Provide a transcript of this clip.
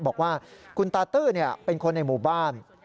บอกว่าคุณตาตื้อเป็นคนในหมู่บ้าน